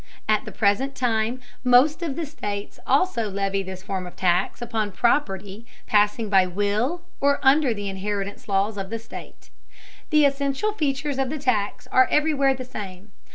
At the present time most of the states also levy this form of tax upon property passing by will or under the inheritance laws of the state. The essential features of the tax are everywhere the same.